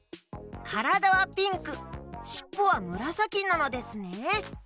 からだはピンクしっぽはむらさきなのですね！